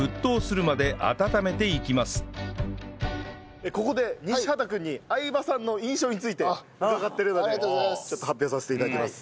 これをここで西畑君に相葉さんの印象について伺っているのでちょっと発表させて頂きます。